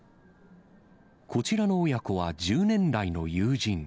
こちらの親子は１０年来の友人。